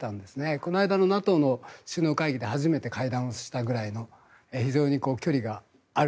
この間のＮＡＴＯの首脳会議で初めて会談をしたぐらいの非常に距離がある。